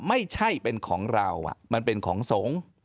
ไม่ใช่เป็นของเรามันเป็นของสงฆ์